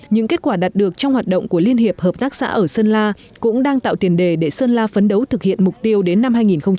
những kết quả đạt được trong hoạt động của liên hiệp hợp tác xã ở sơn la cũng đang tạo tiền đề để sơn la phấn đấu thực hiện mục tiêu đến năm hai nghìn hai mươi